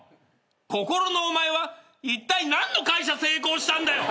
心のお前はいったい何の会社成功したんだよ！？